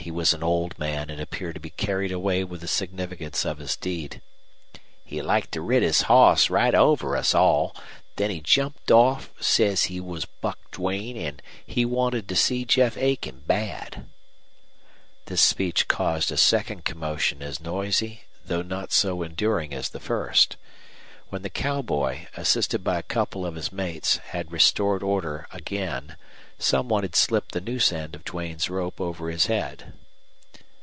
He was an old man and appeared to be carried away with the significance of his deed. "He like to rid' his hoss right over us all. Then he jumped off, says he was Buck Duane, an' he wanted to see Jeff Aiken bad." This speech caused a second commotion as noisy though not so enduring as the first. When the cowboy, assisted by a couple of his mates, had restored order again some one had slipped the noose end of Duane's rope over his head.